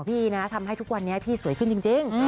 พี่นะทำให้พี่สวยขึ้นจริง